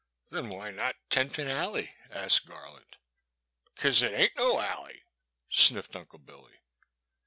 *' Then why not Ten Pin Alley ?" asked Gar land. '' Cuz it ain't no alley," sniffed Uncle Billy.